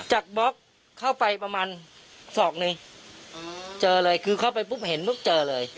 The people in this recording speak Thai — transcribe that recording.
บล็อกเข้าไปประมาณศอกหนึ่งเจอเลยคือเข้าไปปุ๊บเห็นปุ๊บเจอเลย